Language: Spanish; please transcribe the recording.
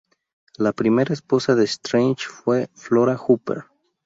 La primera esposa de Strange fue Flora Hooper.